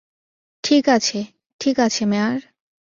ঠিক আছে - ঠিক আছে, মেয়ার।